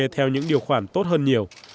theo những điều khoản tốt hơn nhiều